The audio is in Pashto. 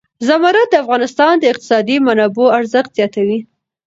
زمرد د افغانستان د اقتصادي منابعو ارزښت زیاتوي.